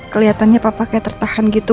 kelihatannya papa kayak tertahan gitu